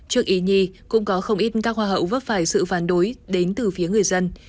trước ý nhi cũng có không ít các hoa hậu vấp phải sự phản đối đến từ phía người dân